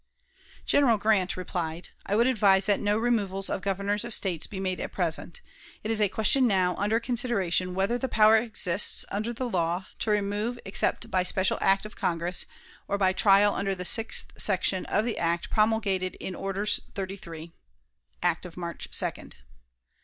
General Grant replied: "I would advise that no removals of Governors of States be made at present. It is a question now under consideration whether the power exists, under the law, to remove, except by special act of Congress, or by trial under the sixth section of the act promulgated in Orders 33 (act of March 2d)."